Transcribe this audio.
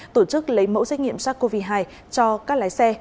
tổ chức lấy mẫu xét nghiệm sars cov hai cho các lái xe